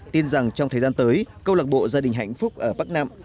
tin rằng trong thời gian tới câu lạc bộ gia đình hạnh phúc ở bắc nam